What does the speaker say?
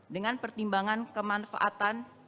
dengan pertimbangan kemanfaatan